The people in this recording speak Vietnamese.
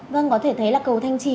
vâng có thể thấy là cầu thanh trì